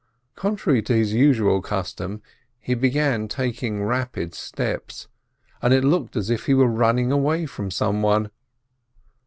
Con trary to his usual custom, he began taking rapid steps, and it looked as if he were running away from some one.